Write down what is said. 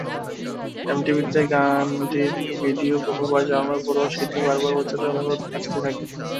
এমটিভিতে গানটির ভিডিও বহুবার চালানোর পরও সেটি বারবার প্রচারের অনুরোধ আসতেই থাকে।